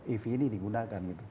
ev ini digunakan